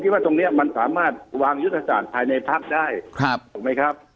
ว่าตรงนี้มันสามารถวางยุทธศาสตร์ภายในพักได้ถูกไหมครับ